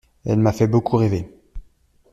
Elle m'a fait beaucoup rêver.